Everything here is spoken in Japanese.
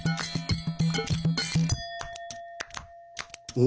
お！